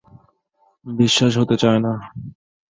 বিশ্বাস হতে চায় না।